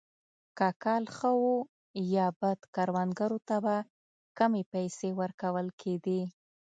که کال ښه وو یا بد کروندګرو ته به کمې پیسې ورکول کېدې.